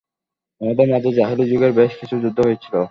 আমাদের মাঝে জাহেলী যুগের বেশ কিছু যুদ্ধ হয়েছিল।